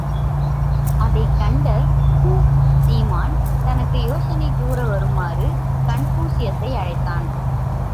அதைக் கன்ட ஹுவான் சீமான், தனக்கு யோசனை கூறவருமாறு கன்பூசியசை அழைத்தான்.